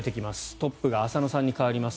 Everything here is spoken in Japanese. トップが浅野さんに代わります。